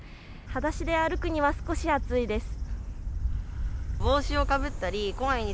はだしで歩くには少し熱いです。